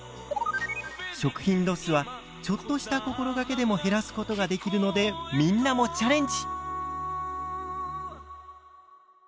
食品ロスはちょっとした心がけでも減らすことができるのでみんなもチャレンジ！